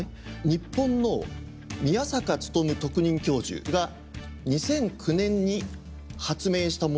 日本の宮坂力特任教授が２００９年に発明したものなんですね。